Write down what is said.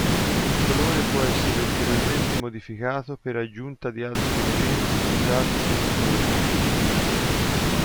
Il colore può essere ulteriormente modificato per aggiunta di altri elementi usati come coloranti.